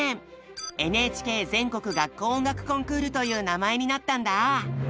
「ＮＨＫ全国学校音楽コンクール」という名前になったんだ。